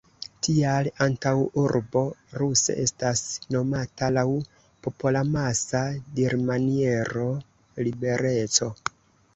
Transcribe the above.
Tial antaŭurbo ruse estas nomata laŭ popolamasa dirmaniero "libereco".